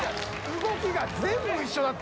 「動きが全部一緒だって！